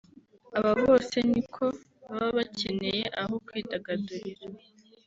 Aba bose ni ko baba bakeneye aho kwidagadurira